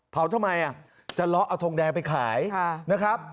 เผาทำไมอ่ะจะล้อเอาทงแดงไปขายค่ะนะครับ